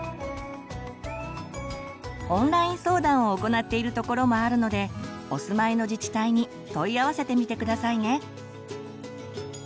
オンライン相談を行っている所もあるのでお住まいの自治体に問い合わせてみて下さいね。